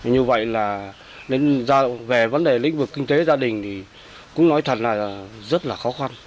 như vậy là về vấn đề lĩnh vực kinh tế gia đình thì cũng nói thật là rất là khó khăn